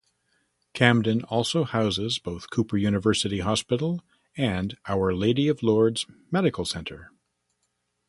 Camden also houses both Cooper University Hospital and Our Lady of Lourdes Medical Center.